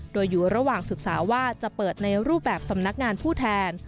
โดยอยู่ระหว่างศึกษาว่าจะเปิดในรูปแบบสำนักงานผู้แทน